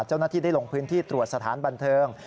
เจ้าหน้าที่ได้ลงพื้นที่ตรวจสถานบันเทิง